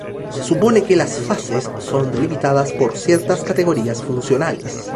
Se supone que las fases son delimitadas por ciertas categorías funcionales.